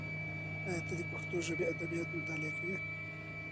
ایا ته د پښتو ژبې ادبیات مطالعه کوې؟